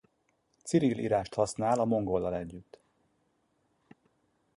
Cirill írást használ a mongollal együtt.